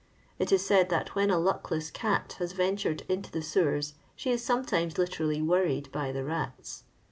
It is said that when a hiekless cat has ventured into ;the sewers, she is sometimes literally woxried by the mts.